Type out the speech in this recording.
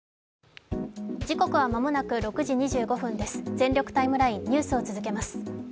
「全力タイムライン」ニュースを続けます。